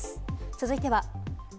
続いては。